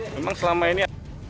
memang selama ini